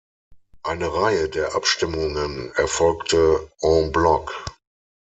Eine Reihe der Abstimmungen erfolgte en bloc.